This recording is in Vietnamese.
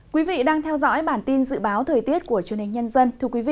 quý vị đang theo dõi bản tin dự báo thời tiết của truyền hình nhân dân